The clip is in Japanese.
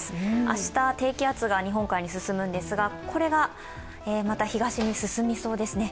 明日、低気圧が日本海に進むんですがこれがまた東に進みそうですね。